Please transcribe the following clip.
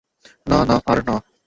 না, না, আর না।